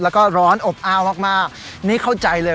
แล้วก็ร้อนอบอ้าวมากนี่เข้าใจเลย